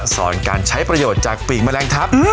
สอนการใช้ประโยชน์จากปีกแมลงทัพ